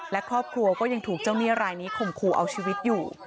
และครอบครัวก็ยังถูกเจ้าหนี้รายนี้ข่มขู่เอาชีวิตอยู่